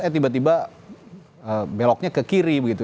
eh tiba tiba beloknya ke kiri begitu